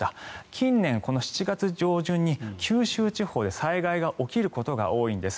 近年、７月上旬に九州地方で災害が起きることが多いんです。